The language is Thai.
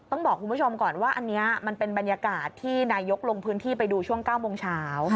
ต้องบอกคุณผู้ชมก่อนว่าอันนี้มันเป็นบรรยากาศที่นายกลงพื้นที่ไปดูช่วง๙โมงเช้า